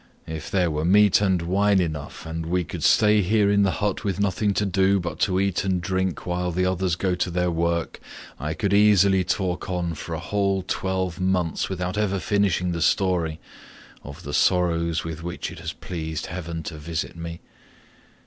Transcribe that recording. If there were meat and wine enough, and we could stay here in the hut with nothing to do but to eat and drink while the others go to their work, I could easily talk on for a whole twelve months without ever finishing the story of the sorrows with which it has pleased heaven to visit me.